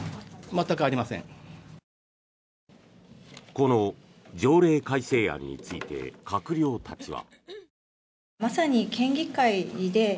この条例改正案について閣僚たちは。